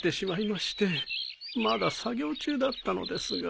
まだ作業中だったのですが。